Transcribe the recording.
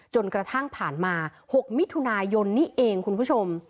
จนกระทั่งผ่านมา๖มิถุนายนนี่เองคุณผู้ชม